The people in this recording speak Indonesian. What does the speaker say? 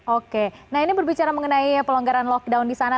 oke nah ini berbicara mengenai pelonggaran lockdown di sana